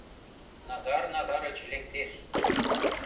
Назар Назарыч лектеш.